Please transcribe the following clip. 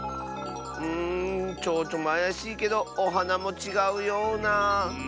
うんちょうちょもあやしいけどおはなもちがうような。